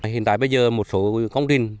hiện tại bây giờ một số công trình